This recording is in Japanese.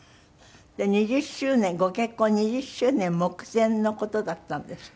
で２０周年ご結婚２０周年目前の事だったんですって？